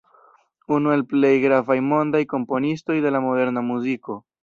Unu el plej gravaj mondaj komponistoj de la moderna muziko.